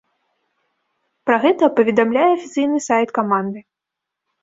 Пра гэта паведамляе афіцыйны сайт каманды.